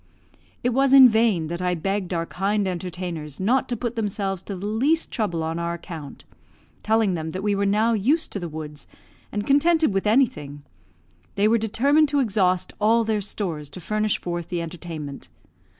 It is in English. It was in vain that I begged our kind entertainers not to put themselves to the least trouble on our account, telling them that we were now used to the woods, and contented with anything; they were determined to exhaust all their stores to furnish forth the entertainment.